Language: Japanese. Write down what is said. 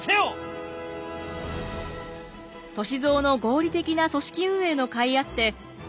歳三の合理的な組織運営のかいあって新選組は大躍進。